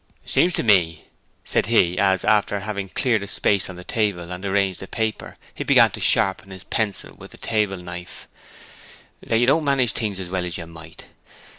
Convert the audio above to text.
'It seems to me,' said he, as, after having cleared a space on the table and arranged the paper, he began to sharpen his pencil with a table knife, 'that you don't manage things as well as you might.